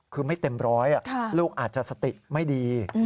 คือไม่เต็มร้อยลูกอาจจะสติไม่ดี